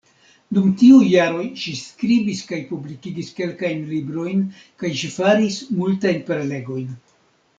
Dum tiuj jaroj ŝi skribis kaj publikigis kelkajn librojn, kaj ŝi faris multajn prelegojn.